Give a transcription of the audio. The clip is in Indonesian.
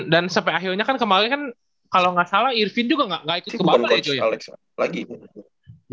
dan sampai akhirnya kan kemarin kan kalau gak salah irvin juga gak ikut ke bambang ya joe